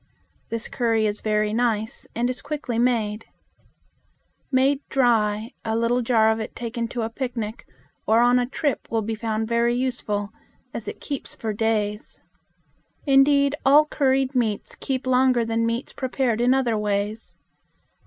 This curry is very nice and is quickly made. Made dry, a little jar of it taken to a picnic or on a trip will be found very useful, as it keeps for days. Indeed, all curried meats keep longer than meats prepared in other ways.